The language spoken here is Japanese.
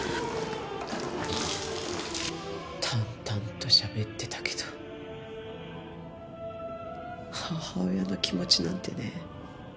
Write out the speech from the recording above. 淡々としゃべってたけど母親の気持ちなんてね